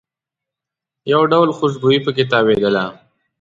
یو ډول خوشبويي په کې تاوېدله.